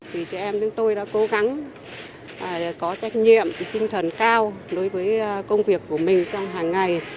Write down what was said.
thì chị em chúng tôi đã cố gắng có trách nhiệm tinh thần cao đối với công việc của mình trong hàng ngày